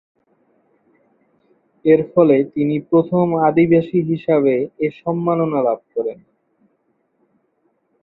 এরফলে তিনি প্রথম আদিবাসী হিসেবে এ সম্মাননা লাভ করেন।